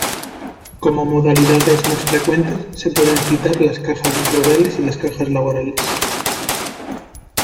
Como modalidades más frecuentes se pueden citar las Cajas Rurales y las Cajas Laborales.